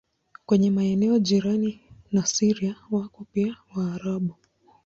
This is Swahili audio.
Kwenye maeneo jirani na Syria wako pia Waarabu.